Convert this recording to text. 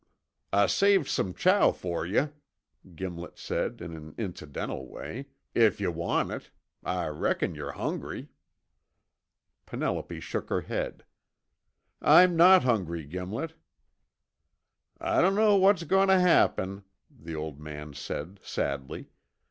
"I saved some chow fer yuh," Gimlet said in an incidental way, "if yuh want it. I reckon yore hungry." Penelope shook her head. "I'm not hungry, Gimlet." "I dunno what's goin' tuh happen," the old man said sadly.